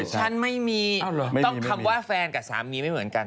ฉันไม่มีต้องคำว่าแฟนกับสามีไม่เหมือนกัน